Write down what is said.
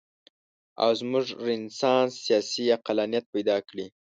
او زموږ رنسانس سیاسي عقلانیت پیدا کړي.